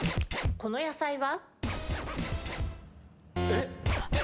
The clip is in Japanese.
この野菜は？